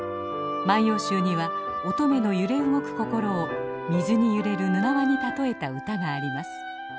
「万葉集」には乙女の揺れ動く心を水に揺れるぬなわに例えた歌があります。